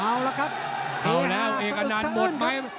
เอ้าแล้วครับเอกอนันต์หมดไหม